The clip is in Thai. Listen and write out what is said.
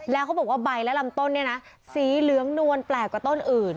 แล้วเขาบอกว่าใบและลำต้นเนี่ยนะสีเหลืองนวลแปลกกว่าต้นอื่น